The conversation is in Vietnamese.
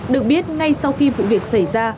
được biết ngay sau khi vụ việc xảy ra